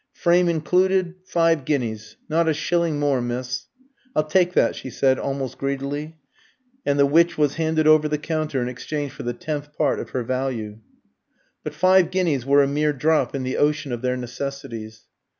"Frame included, five guineas. Not a shilling more, miss." "I'll take that," she said, almost greedily. And the Witch was handed over the counter in exchange for the tenth part of her value. But five guineas were a mere drop in the ocean of their necessities.